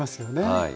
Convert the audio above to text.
はい。